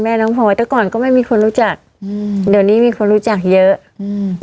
น้องพลอยแต่ก่อนก็ไม่มีคนรู้จักอืมเดี๋ยวนี้มีคนรู้จักเยอะอืม